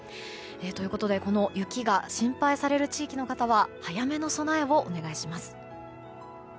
この雪が心配される地域の方は早めの備えをお願いします。